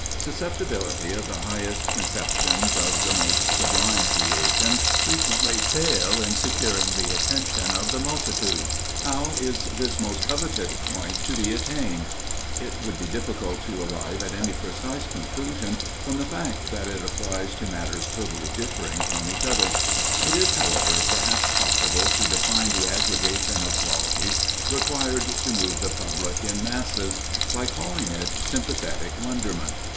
Susceptibility of the highest conceptions of the most sublime creations, frequently fail in securing the attention of the multitude. How is this most coveted point to be attained? It would be difficult to arrive at any precise conclusion, from the fact that it applies to matters totally differing from each other; it is, however, perhaps possible to define the aggregation of qualities required to move the public in masses, by calling it "sympathetic wonderment."